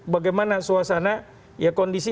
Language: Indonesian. bagaimana suasana ya kondisi